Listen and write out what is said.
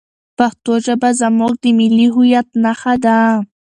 پښتو ژبه زموږ د ملي هویت نښه ده.